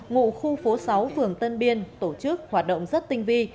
ngụ khu phố sáu phường tân biên tổ chức hoạt động rất tinh vi